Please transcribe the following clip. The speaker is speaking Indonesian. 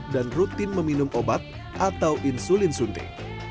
dan rutin meminum obat atau insulin suntik